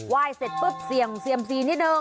ว่าสิรีปุ๊บเสี่ยงเศียมซีนิดนึง